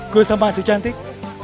gue sama adik cantik